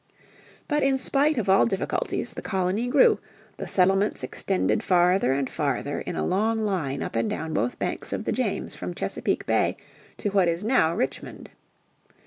But in spite of all difficulties the colony grew, the settlements extended farther and farther in a long line up and down both banks of the James from Chesapeake Bay to what is now Richmond.